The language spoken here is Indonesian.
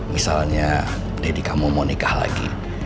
misalnya deddy kamu mau nikah lagi